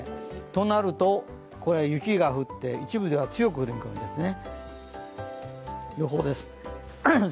となると、雪が降って、一部では強く降ると思いますね。